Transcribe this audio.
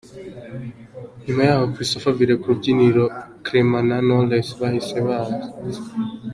nyuma yaho Christopher aviriye ku rubyiniro Clement na Knowless bahise batsa.